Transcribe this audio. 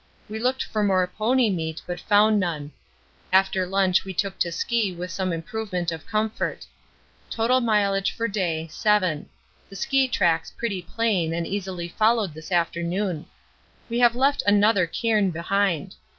We looked for more pony meat, but found none. After lunch we took to ski with some improvement of comfort. Total mileage for day 7 the ski tracks pretty plain and easily followed this afternoon. We have left another cairn behind.